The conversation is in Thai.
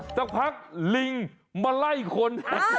สักพักลิงมาไล่คน